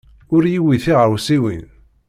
Ur rewwi tiɣawsiwin.